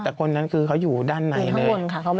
แต่คนนั้นคือเขาอยู่ด้านในเลย